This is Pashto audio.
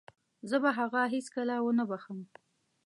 زه به هغه هيڅکله ونه وبښم.